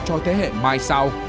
cho thế hệ mai sau